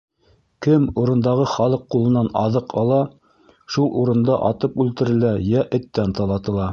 Кем урындағы халыҡ ҡулынан аҙыҡ ала, шул урында атып үлтерелә, йә эттән талатыла!